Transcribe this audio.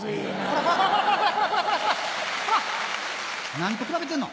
何と比べてんの？